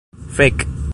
fek